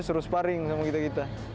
suruh sparring sama kita kita